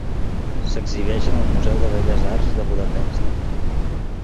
S'exhibeix en el Museu de Belles Arts de Budapest.